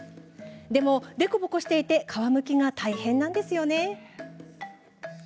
でも、凸凹していて皮むきが大変なんですよね。